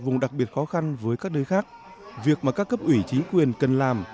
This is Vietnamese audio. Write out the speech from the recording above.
vùng đặc biệt khó khăn với các nơi khác việc mà các cấp ủy chính quyền cần làm